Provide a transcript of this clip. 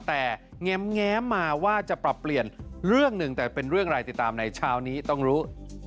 แต่แง้มมาว่าจะปรับเปลี่ยนเรื่องหนึ่งแต่เป็นเรื่องอะไรติดตามในเช้านี้ต้องรู้